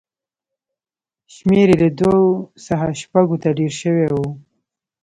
شمېر یې له دوو څخه شپږو ته ډېر شوی و